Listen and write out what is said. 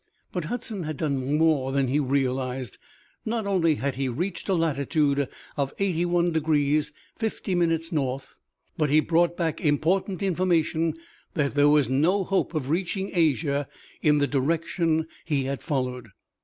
But Hudson had done more than he realized. Not only had he reached a latitude of eighty one degrees, fifty minutes, north, but he brought back important information that there was no hope of reaching Asia in the direction he had followed.